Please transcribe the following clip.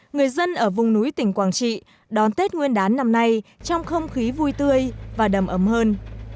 người dân ở vùng núi tỉnh quảng trị đón tết nguyên đán năm nay trong không khí vui tươi và đầm ấm hơn